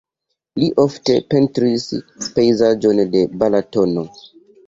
Li ofte pentris pejzaĝojn de Balatono.